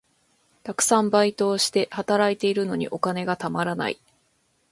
たくさんバイトをして、働いているのにお金がたまらない。